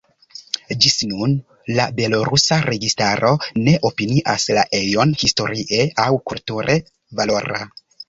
Ĝis nun la belorusa registaro ne opinias la ejon historie aŭ kulture valora.